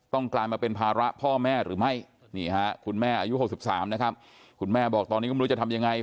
กลายมาเป็นภาระพ่อแม่หรือไม่นี่ฮะคุณแม่อายุ๖๓นะครับคุณแม่บอกตอนนี้ก็ไม่รู้จะทำยังไง